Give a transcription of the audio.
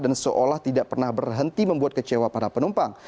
dan seolah tidak pernah berhenti membuat kecewa para penumpang